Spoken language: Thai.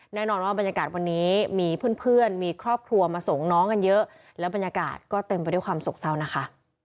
แน่นอนว่าบรรยากาศวันนี้มีเพื่อนเพื่อนมีครอบครัวมาส่งน้องกันเยอะแล้วบรรยากาศก็เต็มไปด้วยความโศกเศร้านะคะ